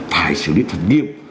phải xử lý thật nghiêm